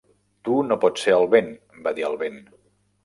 "Tu no pots ser el vent" va dir el vent.